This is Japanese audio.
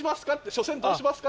初戦どうしますか？